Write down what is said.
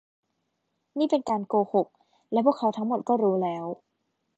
นี่เป็นการโกหก และพวกเขาทั้งหมดก็รู้แล้ว